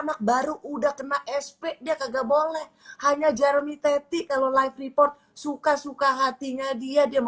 anak baru udah kena sp dia kagak boleh hanya jeremy teti kalau live report suka suka hatinya dia dia mau